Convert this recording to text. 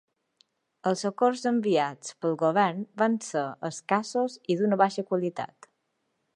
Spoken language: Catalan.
Els socors enviats pel govern van ésser escassos i d'una baixa qualitat.